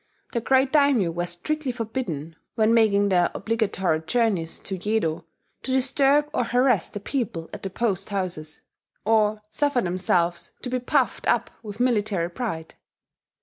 The great daimyo were strictly forbidden, when making their obligatory journeys to Yedo, "to disturb or harass the people at the post houses," or suffer themselves "to be puffed up with military pride."